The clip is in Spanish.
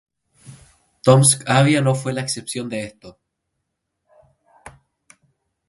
Tomsk Avia no fue la excepción de esto.